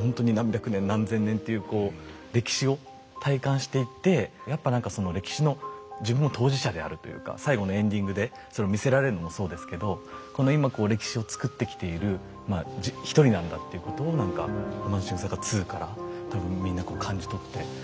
ほんとに何百年何千年っていうこう歴史を体感していってやっぱ何かその歴史の自分も当事者であるというか最後のエンディングでそれを見せられるのもそうですけどこの今こう歴史を作ってきている一人なんだっていうことを何かこの「ロマンシングサガ２」から多分みんなこう感じ取っているんだな。